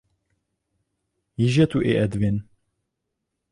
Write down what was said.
Již je tu i Edwin.